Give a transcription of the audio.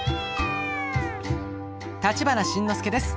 立花慎之介です。